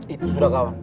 itu sudah kawan